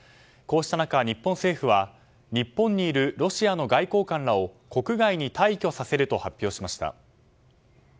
こうした中、日本政府は日本にいるロシアの外交官らを国外に退去させると発表しました。